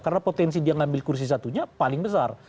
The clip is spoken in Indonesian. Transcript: karena potensi dia ngambil kursi satunya paling besar